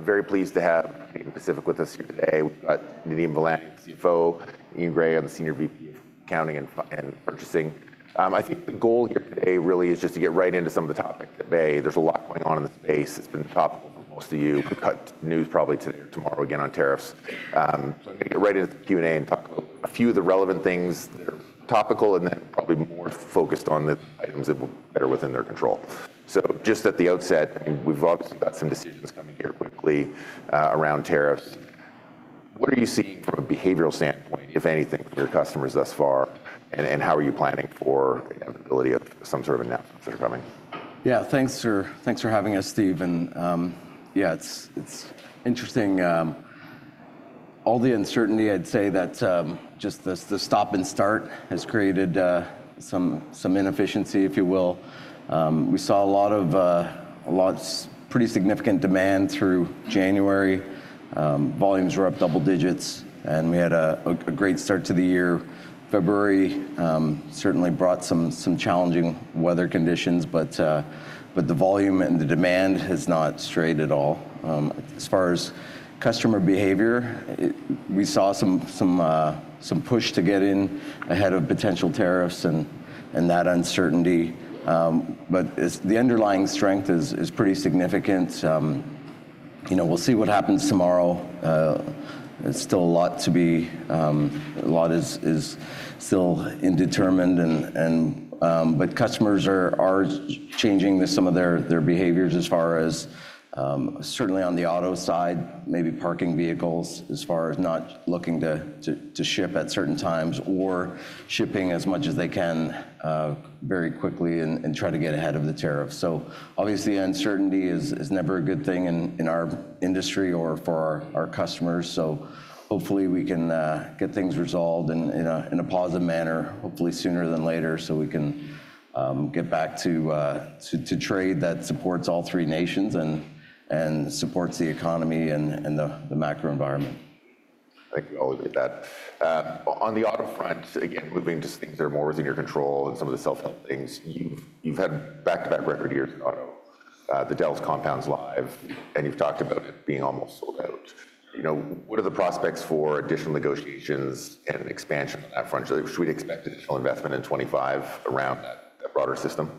Very pleased to have Canadian Pacific with us here today. We've got Nadeem Velani, CFO; Ian Gray, I'm the Senior VP of Accounting and Purchasing. I think the goal here today really is just to get right into some of the topics today. There's a lot going on in the space. It's been topical for most of you. We've got news probably today or tomorrow again on tariffs. I'm going to get right into the Q&A and talk about a few of the relevant things that are topical and then probably more focused on the items that will be better within their control. Just at the outset, we've obviously got some decisions coming here quickly around tariffs. What are you seeing from a behavioral standpoint, if anything, from your customers thus far? How are you planning for the inevitability of some sort of announcements that are coming? Yeah, thanks for having us, Steve. Yeah, it's interesting. All the uncertainty, I'd say that just the stop and start has created some inefficiency, if you will. We saw a lot of pretty significant demand through January. Volumes were up double digits, and we had a great start to the year. February certainly brought some challenging weather conditions, but the volume and the demand has not strayed at all. As far as customer behavior, we saw some push to get in ahead of potential tariffs and that uncertainty. But the underlying strength is pretty significant. We'll see what happens tomorrow. There's still a lot to be determined. But customers are changing some of their behaviors as far as certainly on the auto side, maybe parking vehicles as far as not looking to ship at certain times or shipping as much as they can very quickly and try to get ahead of the tariffs. So obviously, uncertainty is never a good thing in our industry or for our customers. So hopefully we can get things resolved in a positive manner, hopefully sooner than later, so we can get back to trade that supports all three nations and supports the economy and the macro environment. Thank you. I'll admit that. On the auto front, again, moving into things that are more within your control and some of the self-help things, you've had back-to-back record years in auto. The Dallas Compound's live, and you've talked about it being almost sold out. What are the prospects for additional negotiations and expansion on that front? Should we expect additional investment in 2025 around that broader system?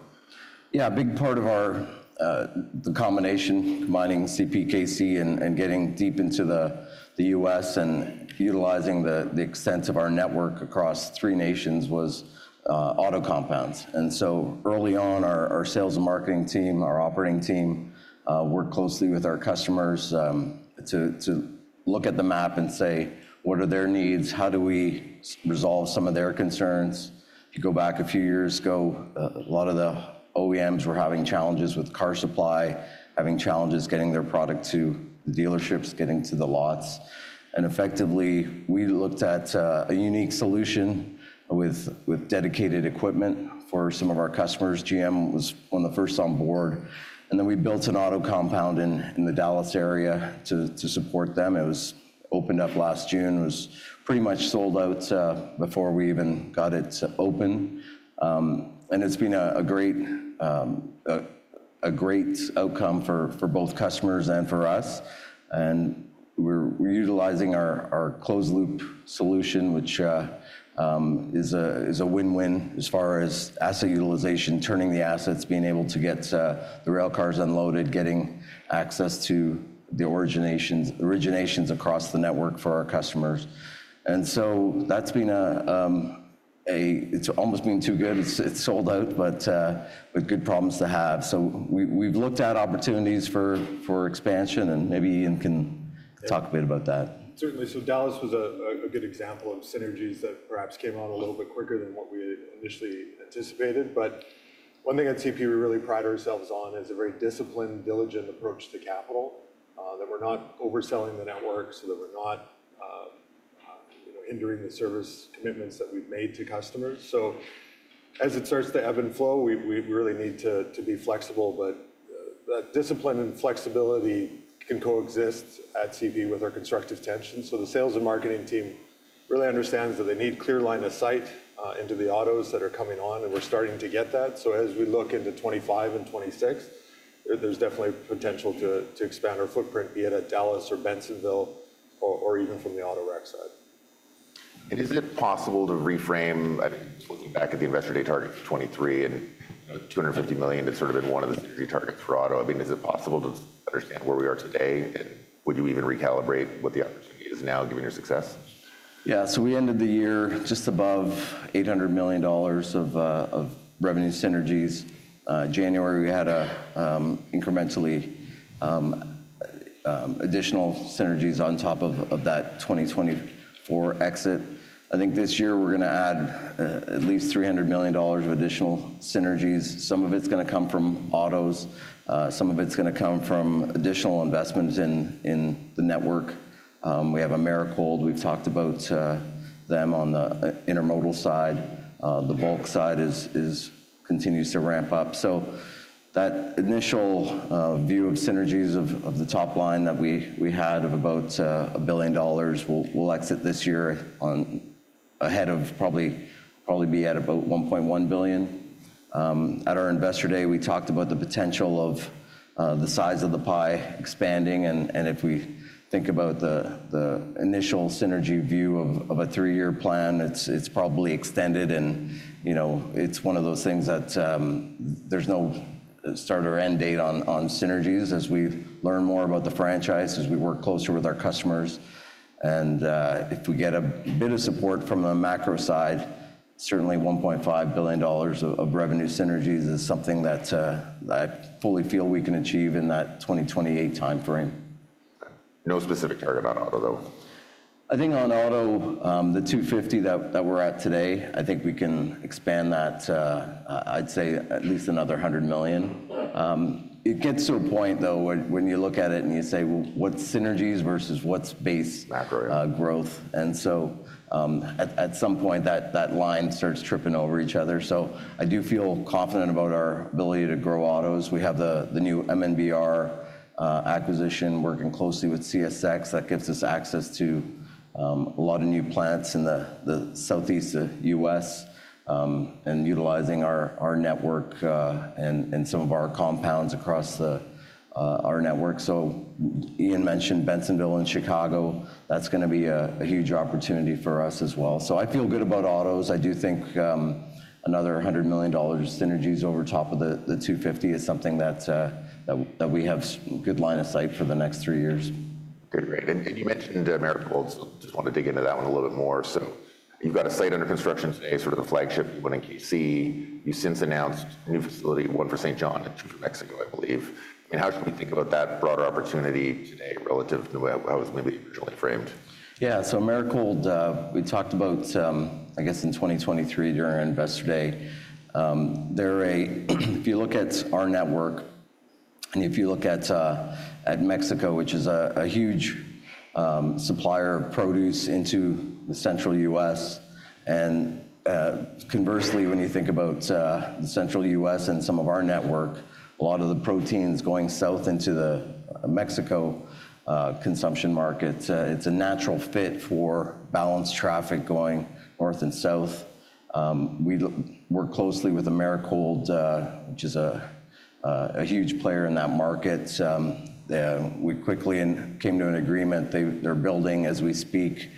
Yeah, a big part of the combination, combining CPKC and getting deep into the U.S. and utilizing the extents of our network across three nations was auto compounds. And so early on, our sales and marketing team, our operating team, worked closely with our customers to look at the map and say, what are their needs? How do we resolve some of their concerns? If you go back a few years ago, a lot of the OEMs were having challenges with car supply, having challenges getting their product to the dealerships, getting to the lots. And effectively, we looked at a unique solution with dedicated equipment for some of our customers. GM was one of the first on board. And then we built an auto compound in the Dallas area to support them. It was opened up last June. It was pretty much sold out before we even got it open. It's been a great outcome for both customers and for us. We're utilizing our closed-loop solution, which is a win-win as far as asset utilization, turning the assets, being able to get the rail cars unloaded, getting access to the origins across the network for our customers. That's been almost too good. It's sold out, but good problems to have. We've looked at opportunities for expansion, and maybe Ian can talk a bit about that. Certainly. So Dallas was a good example of synergies that perhaps came out a little bit quicker than what we initially anticipated. But one thing at CP we really pride ourselves on is a very disciplined, diligent approach to capital, that we're not overselling the network, so that we're not hindering the service commitments that we've made to customers. So as it starts to ebb and flow, we really need to be flexible. But that discipline and flexibility can coexist at CP with our constructive tension. So the sales and marketing team really understands that they need clear line of sight into the autos that are coming on, and we're starting to get that. So as we look into 2025 and 2026, there's definitely potential to expand our footprint, be it at Dallas or Bensenville or even from the auto rack side. And is it possible to reframe? I mean, just looking back at the investor day target for 2023 and $250 million has sort of been one of the targets for auto. I mean, is it possible to understand where we are today? And would you even recalibrate what the opportunity is now, given your success? Yeah. So we ended the year just above $800 million of revenue synergies. January, we had incrementally additional synergies on top of that 2024 exit. I think this year we're going to add at least $300 million of additional synergies. Some of it's going to come from autos. Some of it's going to come from additional investments in the network. We have Americold. We've talked about them on the intermodal side. The bulk side continues to ramp up. So that initial view of synergies of the top line that we had of about $1 billion, we'll exit this year ahead of probably be at about $1.1 billion. At our investor day, we talked about the potential of the size of the pie expanding. And if we think about the initial synergy view of a three-year plan, it's probably extended. It's one of those things that there's no start or end date on synergies. As we learn more about the franchise, as we work closer with our customers, and if we get a bit of support from the macro side, certainly $1.5 billion of revenue synergies is something that I fully feel we can achieve in that 2028 time frame. No specific target on auto, though? I think on auto, the $250 that we're at today, I think we can expand that, I'd say, at least another $100 million. It gets to a point, though, when you look at it and you say, well, what's synergies versus what's base growth, and so at some point, that line starts tripping over each other, so I do feel confident about our ability to grow autos. We have the new MNBR acquisition working closely with CSX. That gives us access to a lot of new plants in the southeast U.S. and utilizing our network and some of our compounds across our network, so Ian mentioned Bensenville and Chicago. That's going to be a huge opportunity for us as well, so I feel good about autos. I do think another $100 million of synergies over top of the $250 is something that we have good line of sight for the next three years. Great. And you mentioned Americold. So I just want to dig into that one a little bit more. So you've got a site under construction today, sort of the flagship, the one in [KC]. You've since announced a new facility, one for Saint John and two for Mexico, I believe. I mean, how should we think about that broader opportunity today relative to how it was maybe originally framed? Yeah. So Americold, we talked about, I guess, in 2023 during investor day, if you look at our network and if you look at Mexico, which is a huge supplier of produce into the central U.S. And conversely, when you think about the central U.S. and some of our network, a lot of the proteins going south into the Mexico consumption market, it's a natural fit for balanced traffic going north and south. We work closely with Americold, which is a huge player in that market. We quickly came to an agreement. They're building, as we speak,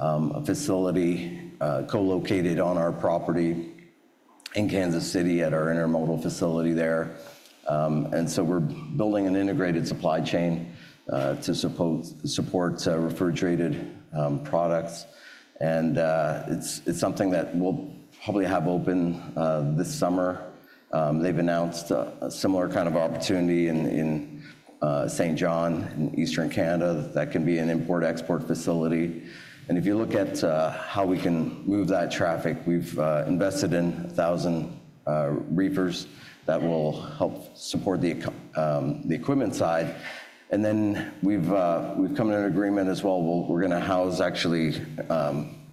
a facility co-located on our property in Kansas City at our intermodal facility there. And so we're building an integrated supply chain to support refrigerated products. And it's something that we'll probably have open this summer. They've announced a similar kind of opportunity in St. John in Eastern Canada that can be an import-export facility, and if you look at how we can move that traffic, we've invested in 1,000 reefers that will help support the equipment side, and then we've come to an agreement as well. We're going to house actually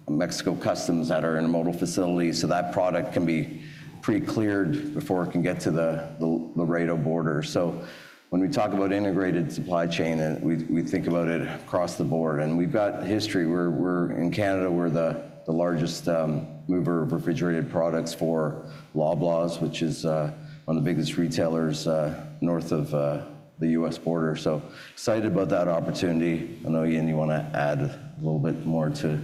Mexican customs at our intermodal facility so that product can be pre-cleared before it can get to the Laredo border, so when we talk about integrated supply chain, we think about it across the board, and we've got history. We're in Canada. We're the largest mover of refrigerated products for Loblaws, which is one of the biggest retailers north of the U.S. border, so excited about that opportunity. I know, Ian, you want to add a little bit more to.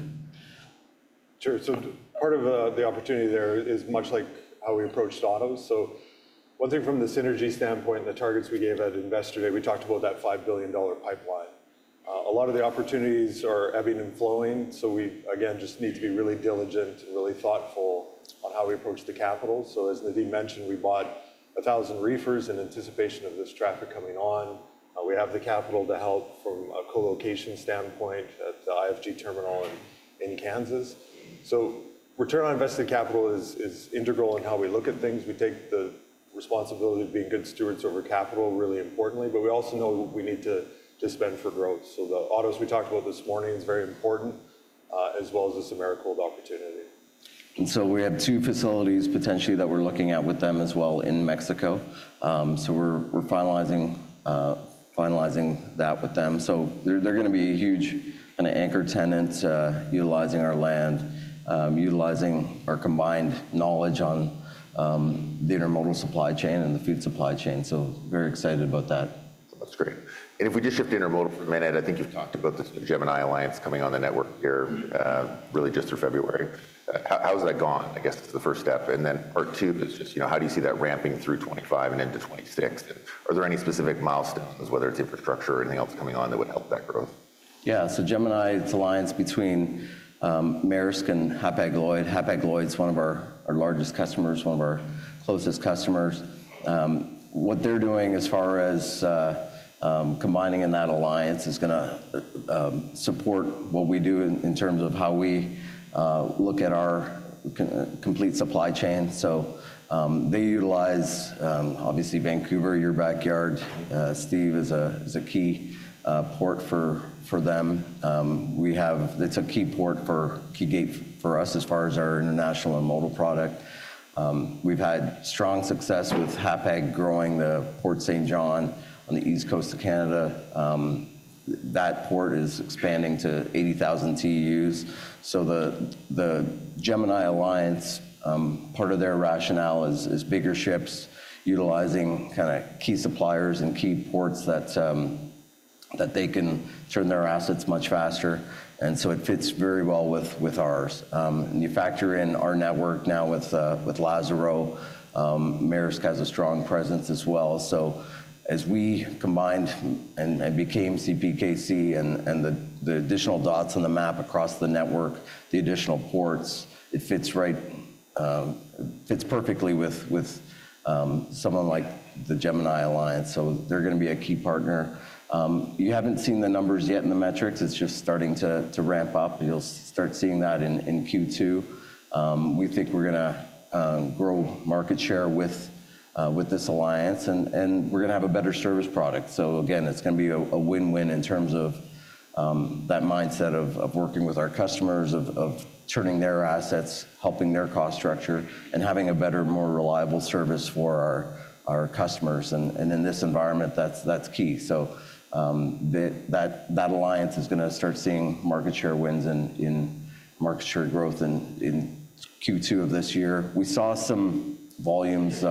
Sure. So part of the opportunity there is much like how we approached autos. So one thing from the synergy standpoint and the targets we gave at investor day, we talked about that $5 billion pipeline. A lot of the opportunities are ebbing and flowing. So we, again, just need to be really diligent and really thoughtful on how we approach the capital. So as Nadeem mentioned, we bought 1,000 reefers in anticipation of this traffic coming on. We have the capital to help from a co-location standpoint at the IFG terminal in Kansas. So return on invested capital is integral in how we look at things. We take the responsibility of being good stewards over capital really importantly. But we also know we need to spend for growth. So the autos we talked about this morning is very important, as well as this Americold opportunity. And so we have two facilities potentially that we're looking at with them as well in Mexico. So we're finalizing that with them. So they're going to be a huge kind of anchor tenant utilizing our land, utilizing our combined knowledge on the intermodal supply chain and the food supply chain. So very excited about that. That's great, and if we just shift to intermodal for a minute, I think you've talked about this Gemini Alliance coming on the network here really just through February. How's that gone? I guess that's the first step, and then part two is just how do you see that ramping through 2025 and into 2026? And are there any specific milestones, whether it's infrastructure or anything else coming on that would help that growth? Yeah. So Gemini, it's an alliance between Maersk and Hapag-Lloyd. Hapag-Lloyd's one of our largest customers, one of our closest customers. What they're doing as far as combining in that alliance is going to support what we do in terms of how we look at our complete supply chain. So they utilize, obviously, Vancouver, your backyard. Steve is a key port for them. It's a key port, key gave for us as far as our international and intermodal product. We've had strong success with Hapag growing the Port Saint John on the east coast of Canada. That port is expanding to 80,000 TEUs. So the Gemini Alliance, part of their rationale is bigger ships utilizing kind of key suppliers and key ports that they can turn their assets much faster. And so it fits very well with ours. You factor in our network now with Lázaro. Maersk has a strong presence as well. So as we combined and became CPKC and the additional dots on the map across the network, the additional ports, it fits perfectly with someone like the Gemini Alliance. So they're going to be a key partner. You haven't seen the numbers yet in the metrics. It's just starting to ramp up. You'll start seeing that in Q2. We think we're going to grow market share with this alliance. And we're going to have a better service product. So again, it's going to be a win-win in terms of that mindset of working with our customers, of turning their assets, helping their cost structure, and having a better, more reliable service for our customers. And in this environment, that's key. So that alliance is going to start seeing market share wins and market share growth in Q2 of this year. We saw some volumes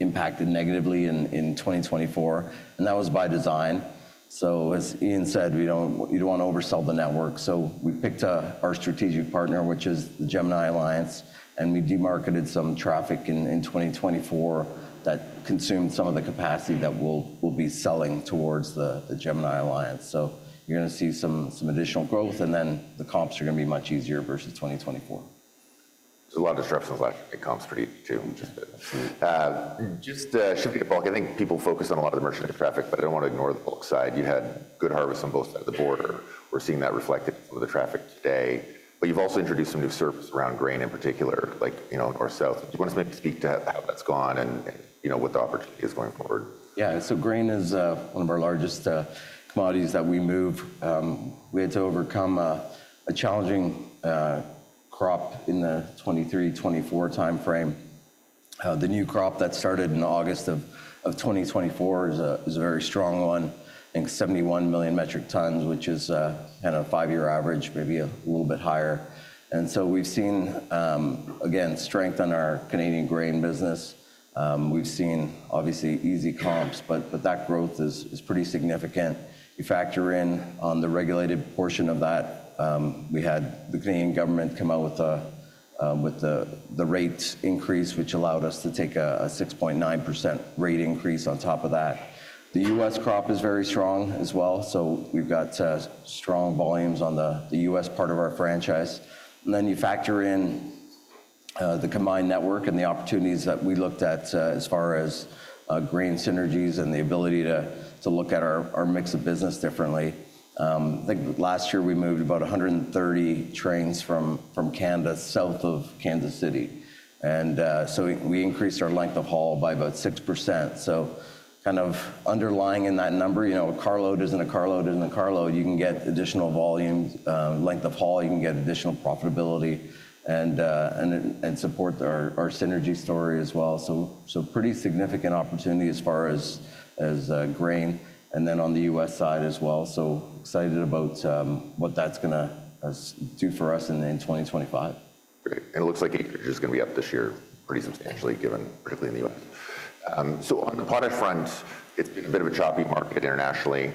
impacted negatively in 2024, and that was by design. So as Ian said, you don't want to oversell the network. So we picked our strategic partner, which is the Gemini Alliance, and we demarketed some traffic in 2024 that consumed some of the capacity that we'll be selling towards the Gemini Alliance. So you're going to see some additional growth, and then the comps are going to be much easier versus 2024. There's a lot of disruption with FX comps for you too. Just shifting to bulk, I think people focus on a lot of the merchant traffic, but I don't want to ignore the bulk side. You had good harvest on both sides of the border. We're seeing that reflected in some of the traffic today. But you've also introduced some new service around grain in particular, like north-south. Do you want to maybe speak to how that's gone and what the opportunity is going forward? Yeah. So grain is one of our largest commodities that we move. We had to overcome a challenging crop in the 2023-2024 time frame. The new crop that started in August of 2024 is a very strong one, I think 71 million metric tons, which is kind of a five-year average, maybe a little bit higher. And so we've seen, again, strength on our Canadian grain business. We've seen, obviously, easy comps, but that growth is pretty significant. You factor in on the regulated portion of that. We had the Canadian government come out with the rate increase, which allowed us to take a 6.9% rate increase on top of that. The U.S. crop is very strong as well. So we've got strong volumes on the U.S. part of our franchise. And then you factor in the combined network and the opportunities that we looked at as far as grain synergies and the ability to look at our mix of business differently. I think last year we moved about 130 trains from Canada, south of Kansas City. And so we increased our length of haul by about 6%. So kind of underlying in that number, a carload isn't a carload isn't a carload. You can get additional volume, length of haul. You can get additional profitability and support our synergy story as well. So pretty significant opportunity as far as grain and then on the U.S. side as well. So excited about what that's going to do for us in 2025. Great, and it looks like acreage is going to be up this year pretty substantially, given particularly in the U.S. So on the potash front, it's been a bit of a choppy market internationally,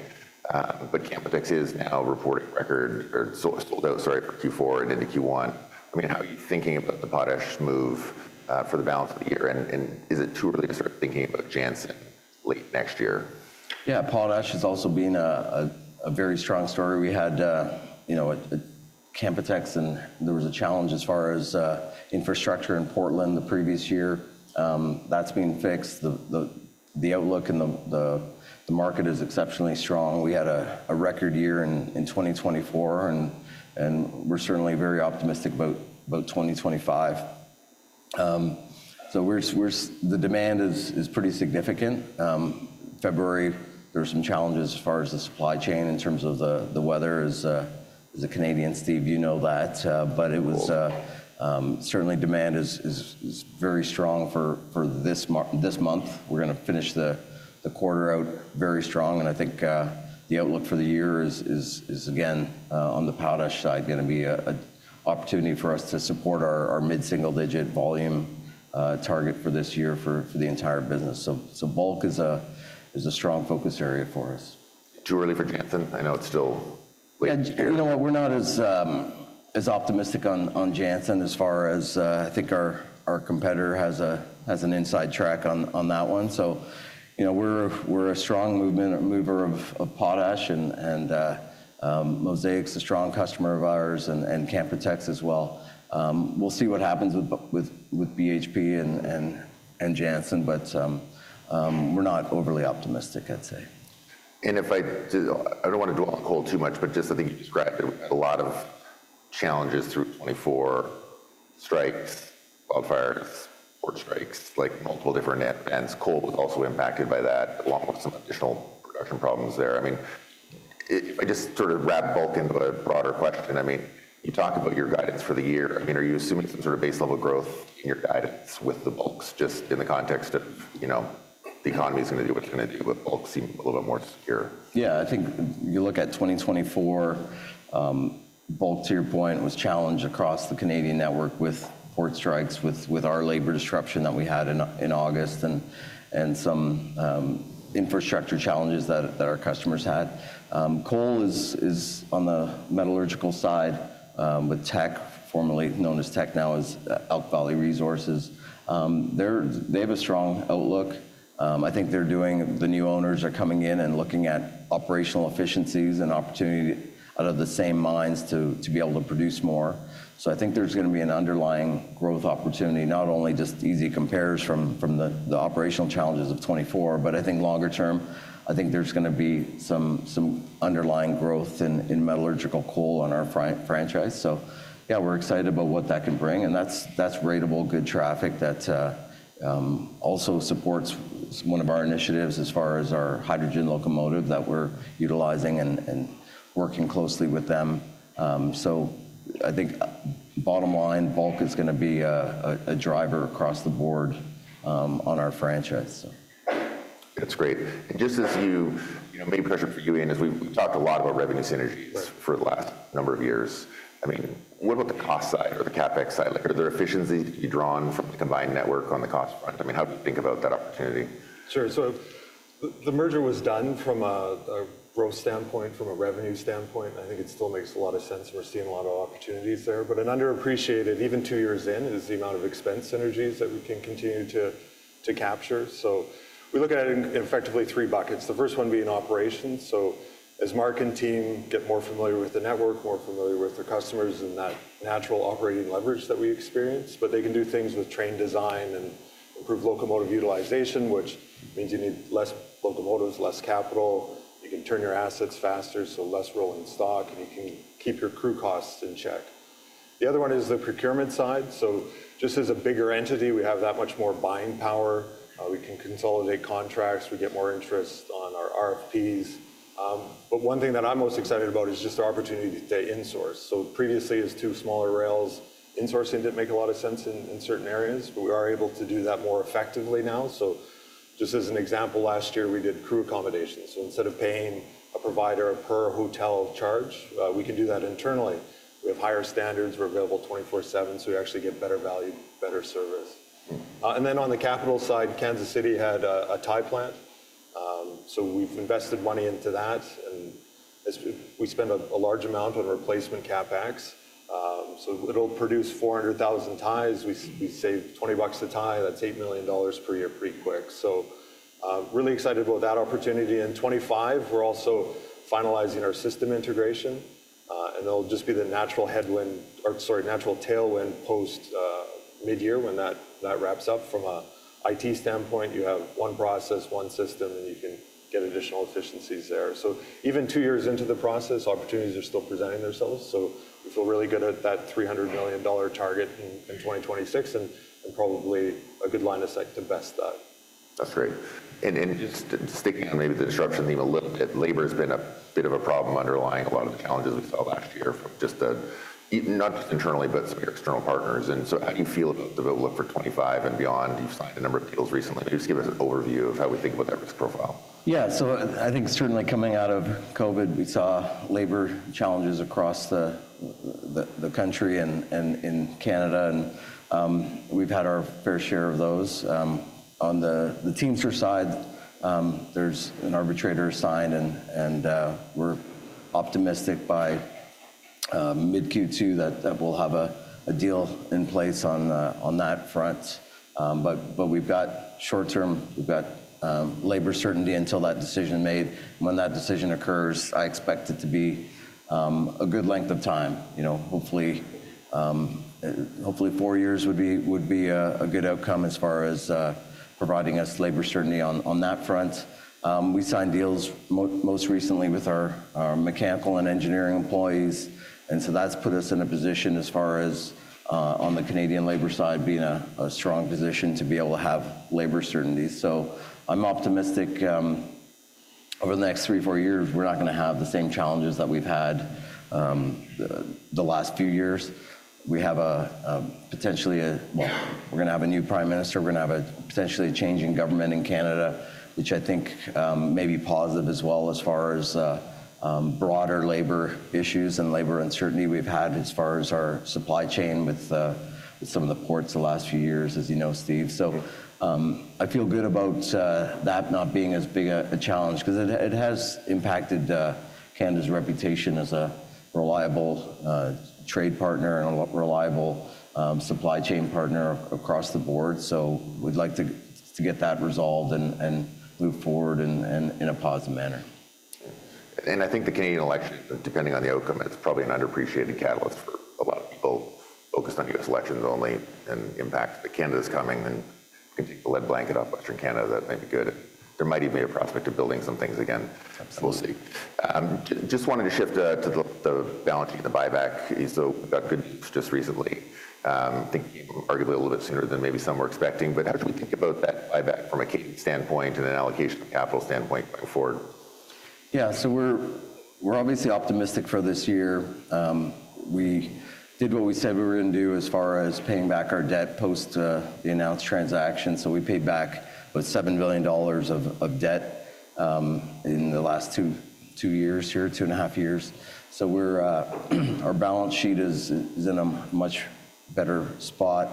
but Canpotex is now reporting record or sold out, sorry, for Q4 and into Q1. I mean, how are you thinking about the potash move for the balance of the year? And is it too early to start thinking about Jansen late next year? Yeah. Potash has also been a very strong story. We had Canpotex, and there was a challenge as far as infrastructure in Portland the previous year. That's been fixed. The outlook and the market is exceptionally strong. We had a record year in 2024, and we're certainly very optimistic about 2025. So the demand is pretty significant. February, there were some challenges as far as the supply chain in terms of the weather as a Canadian. Steve, you know that. But certainly, demand is very strong for this month. We're going to finish the quarter out very strong. And I think the outlook for the year is, again, on the potash side, going to be an opportunity for us to support our mid-single-digit volume target for this year for the entire business. So bulk is a strong focus area for us. Too early for Jansen? I know it's still late. You know what? We're not as optimistic on Jansen as far as I think our competitor has an inside track on that one. So we're a strong mover of potash, and Mosaic's a strong customer of ours, and Canpotex as well. We'll see what happens with BHP and Jansen, but we're not overly optimistic, I'd say. I don't want to dwell on coal too much, but just I think you described a lot of challenges through 2024: strikes, wildfires, port strikes, multiple different events. Coal was also impacted by that, along with some additional production problems there. I mean, if I just sort of wrap bulk into a broader question, I mean, you talk about your guidance for the year. I mean, are you assuming some sort of base level growth in your guidance with the bulks just in the context of the economy is going to do what it's going to do, but bulks seem a little bit more secure? Yeah. I think you look at 2024, bulk, to your point, was challenged across the Canadian network with port strikes, with our labor disruption that we had in August, and some infrastructure challenges that our customers had. Coal is on the metallurgical side with Teck, formerly known as Teck now, is Elk Valley Resources. They have a strong outlook. I think they're doing the new owners are coming in and looking at operational efficiencies and opportunity out of the same mines to be able to produce more. So I think there's going to be an underlying growth opportunity, not only just easy compares from the operational challenges of 2024, but I think longer term, I think there's going to be some underlying growth in metallurgical coal on our franchise. So yeah, we're excited about what that can bring. That's ratable good traffic that also supports one of our initiatives as far as our hydrogen locomotive that we're utilizing and working closely with them. I think bottom line, bulk is going to be a driver across the board on our franchise. That's great. And just as you made mention of, Ian, as we've talked a lot about revenue synergies for the last number of years, I mean, what about the cost side or the CapEx side? Are there efficiencies to be drawn from the combined network on the cost front? I mean, how do you think about that opportunity? Sure, so the merger was done from a growth standpoint, from a revenue standpoint. I think it still makes a lot of sense. We're seeing a lot of opportunities there, but an underappreciated, even two years in, is the amount of expense synergies that we can continue to capture, so we look at it in effectively three buckets. The first one being operations, so as Mark and team get more familiar with the network, more familiar with their customers and that natural operating leverage that we experience, but they can do things with train design and improve locomotive utilization, which means you need less locomotives, less capital. You can turn your assets faster, so less rolling stock, and you can keep your crew costs in check. The other one is the procurement side, so just as a bigger entity, we have that much more buying power. We can consolidate contracts. We get more interest on our RFPs. But one thing that I'm most excited about is just our opportunity to insource. So previously, as two smaller rails, insourcing didn't make a lot of sense in certain areas, but we are able to do that more effectively now. So just as an example, last year, we did crew accommodations. So instead of paying a provider a per hotel charge, we can do that internally. We have higher standards. We're available 24/7, so we actually get better value, better service. And then on the capital side, Kansas City had a tie plant. So we've invested money into that, and we spend a large amount on replacement CapEx. So it'll produce 400,000 ties. We save 20 bucks a tie. That's $8 million per year pretty quick. So really excited about that opportunity. In 2025, we're also finalizing our system integration, and it'll just be the natural headwind, or sorry, natural tailwind post-mid-year when that wraps up. From an IT standpoint, you have one process, one system, and you can get additional efficiencies there. So even two years into the process, opportunities are still presenting themselves. So we feel really good at that $300 million target in 2026 and probably a good line of sight to best that. That's great, and just sticking on maybe the disruption theme a little bit, labor has been a bit of a problem underlying a lot of the challenges we saw last year from just not just internally, but some of your external partners, and so how do you feel about the outlook for 2025 and beyond? You've signed a number of deals recently. Maybe just give us an overview of how we think about that risk profile. Yeah. So I think certainly coming out of COVID, we saw labor challenges across the country and in Canada, and we've had our fair share of those. On the Teamsters side, there's an arbitrator signed, and we're optimistic by mid-Q2 that we'll have a deal in place on that front. But we've got short-term, we've got labor certainty until that decision made. When that decision occurs, I expect it to be a good length of time. Hopefully, four years would be a good outcome as far as providing us labor certainty on that front. We signed deals most recently with our mechanical and engineering employees, and so that's put us in a position as far as on the Canadian labor side being a strong position to be able to have labor certainty. So I'm optimistic over the next three, four years, we're not going to have the same challenges that we've had the last few years. We have potentially a, well, we're going to have a new prime minister. We're going to have potentially a changing government in Canada, which I think may be positive as well as far as broader labor issues and labor uncertainty we've had as far as our supply chain with some of the ports the last few years, as you know, Steve. So I feel good about that not being as big a challenge because it has impacted Canada's reputation as a reliable trade partner and a reliable supply chain partner across the board. So we'd like to get that resolved and move forward in a positive manner. I think the Canadian election, depending on the outcome, it's probably an underappreciated catalyst for a lot of people focused on US elections only and impact that Canada's coming and can take the lead blanket off Western Canada. That may be good. There might even be a prospect of building some things again. We'll see. Just wanted to shift to the balance sheet and the buyback. So we've got good just recently. I think came arguably a little bit sooner than maybe some were expecting. But how should we think about that buyback from a cadence standpoint and an allocation of capital standpoint going forward? Yeah. So we're obviously optimistic for this year. We did what we said we were going to do as far as paying back our debt post the announced transaction. So we paid back about $7 billion of debt in the last two years here, 2.5 years. So our balance sheet is in a much better spot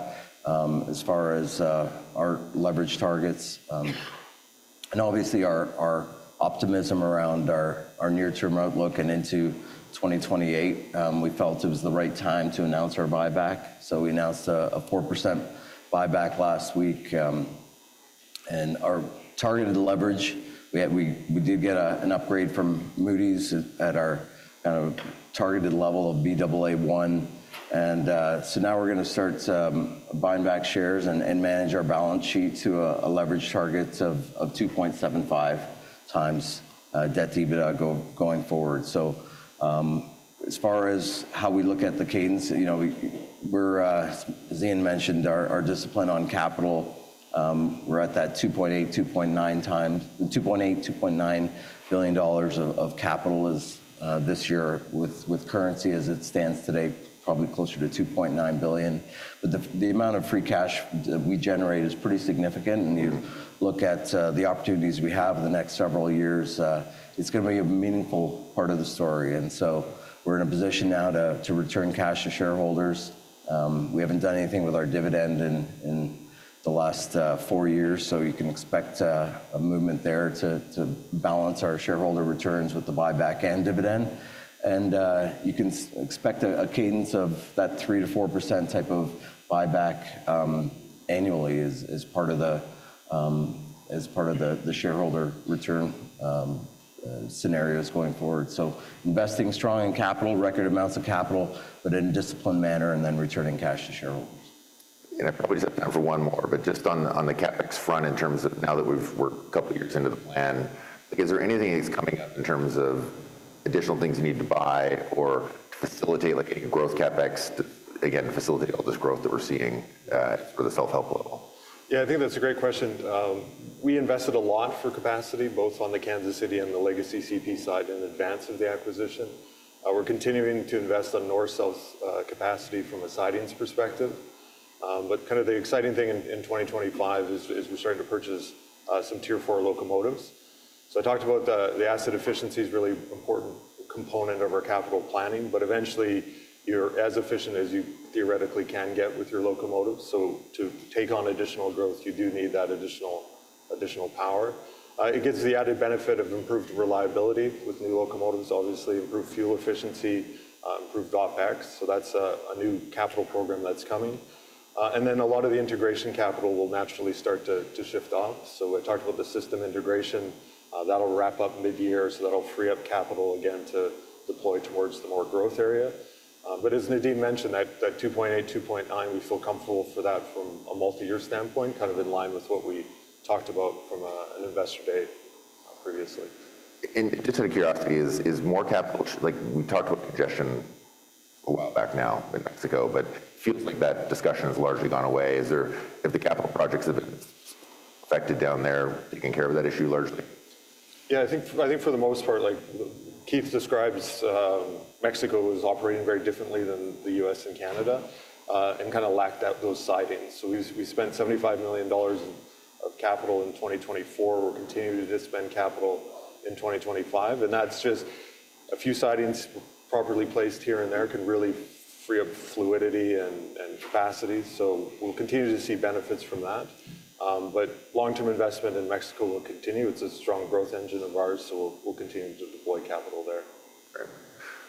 as far as our leverage targets. And obviously, our optimism around our near-term outlook and into 2028, we felt it was the right time to announce our buyback. So we announced a 4% buyback last week. And our targeted leverage, we did get an upgrade from Moody's at our kind of targeted level of BAA1. And so now we're going to start buying back shares and manage our balance sheet to a leverage target of 2.75x debt to EBITDA going forward. As far as how we look at the cadence, as Ian mentioned, our discipline on capital, we're at that 2.8x-2.9x, $ 2.8 billion-$2.9 billion of capital this year with currency as it stands today, probably closer to $2.9 billion. But the amount of free cash that we generate is pretty significant. If you look at the opportunities we have in the next several years, it's going to be a meaningful part of the story. We're in a position now to return cash to shareholders. We haven't done anything with our dividend in the last four years. You can expect a movement there to balance our shareholder returns with the buyback and dividend. You can expect a cadence of that 3%-4% type of buyback annually as part of the shareholder return scenarios going forward. Investing strongly in capital, record amounts of capital, but in a disciplined manner, and then returning cash to shareholders. And I probably just have time for one more, but just on the CapEx front in terms of now that we've worked a couple of years into the plan, is there anything that's coming up in terms of additional things you need to buy or facilitate any growth CapEx, again, facilitate all this growth that we're seeing for the self-help level? Yeah, I think that's a great question. We invested a lot for capacity, both on the Kansas City and the legacy CP side in advance of the acquisition. We're continuing to invest on network's capacity from a sidings perspective, but kind of the exciting thing in 2025 is we're starting to purchase some Tier 4 locomotives, so I talked about the asset efficiency is a really important component of our capital planning, but eventually, you're as efficient as you theoretically can get with your locomotives, so to take on additional growth, you do need that additional power. It gives the added benefit of improved reliability with new locomotives, obviously, improved fuel efficiency, improved OPEX, so that's a new capital program that's coming, and then a lot of the integration capital will naturally start to shift off, so I talked about the system integration. That'll wrap up mid-year, so that'll free up capital again to deploy towards the more growth area. But as Nadeem mentioned, that 2.8, 2.9, we feel comfortable for that from a multi-year standpoint, kind of in line with what we talked about from an investor day previously. Just out of curiosity, is more capital like we talked about congestion a while back now in Mexico, but it feels like that discussion has largely gone away. Have the capital projects affected down there taking care of that issue largely? Yeah, I think for the most part, like Keith describes, Mexico is operating very differently than the U.S. and Canada and kind of lacked those sidings. So we spent $75 million of capital in 2024. We're continuing to expend capital in 2025. And that's just a few sidings properly placed here and there can really free up fluidity and capacity. So we'll continue to see benefits from that. But long-term investment in Mexico will continue. It's a strong growth engine of ours, so we'll continue to deploy capital there. Great.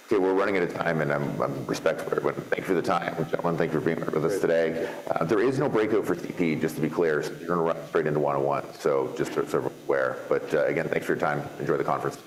Okay. We're running out of time, and I'm respectful. Thank you for the time, gentlemen. Thank you for being with us today. There is no breakout for CP, just to be clear. You're going to run straight into one-on-ones, so just so we're aware. But again, thanks for your time. Enjoy the conference.